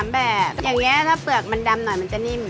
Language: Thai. แบบอย่างนี้ถ้าเปลือกมันดำหน่อยมันจะนิ่ม